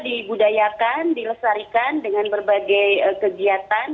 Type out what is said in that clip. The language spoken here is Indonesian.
dibudayakan dilestarikan dengan berbagai kegiatan